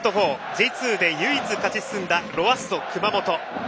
Ｊ２で唯一勝ち進んだロアッソ熊本。